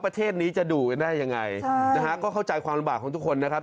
ประเทศนี้จะดูกันได้ยังไงนะฮะก็เข้าใจความลำบากของทุกคนนะครับ